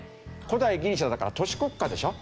古代ギリシャはだから都市国家でしょ？